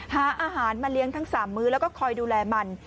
หาอาหารมาเลี้ยงทั้ง๓มื้อแล้วก็คอยดูแลมัน